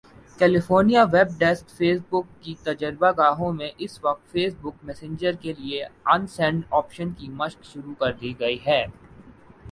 California web desk Facebook کی تجربہ گاہوں میں اس وقت فیس بک میسنجر کے لیے ان سینڈ آپشن کی مشق شروع کردی گئی ہے